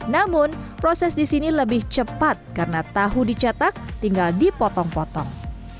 namun proses di sini lebih cepat karena tahu dicetak tinggal dipotong potong